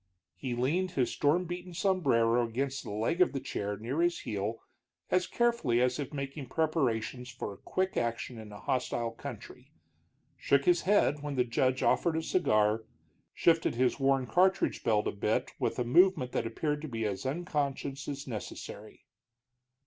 He leaned his storm beaten sombrero against the leg of his chair near his heel, as carefully as if making preparations for quick action in a hostile country, shook his head when the judge offered a cigar, shifted his worn cartridge belt a bit with a movement that appeared to be as unconscious as unnecessary.